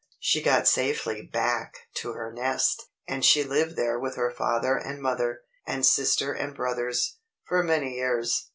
She got safely back to her nest, and she lived there with her father and mother, and sister and brothers, for many years.